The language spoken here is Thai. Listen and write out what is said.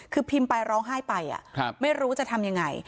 คือพิมพ์ไปร้องไห้ไปไม่รู้จะทำยังไง